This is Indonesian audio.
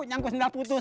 nyangkut sendal putus